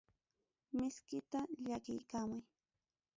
Miskita llakiykamuy.